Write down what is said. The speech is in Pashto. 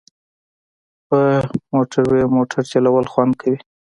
په موټروی موټر چلول خوند کوي